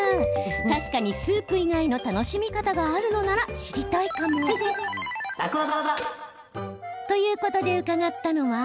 確かにスープ以外の楽しみ方があるのなら知りたいかも。ということで伺ったのは。